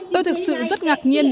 tôi thực sự rất ngạc nhiên